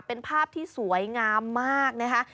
เป็นภาพที่สวยงามมากนะคะ